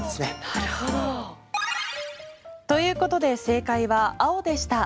なるほど。ということで正解は青でした。